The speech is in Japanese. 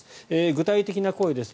具体的な声です。